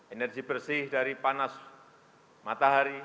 energi bersih dari panas matahari